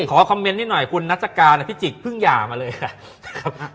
ขอคอมเมนต์นิดหน่อยคุณนัชกานะพี่จิกเพิ่งหย่ามาเลยครับ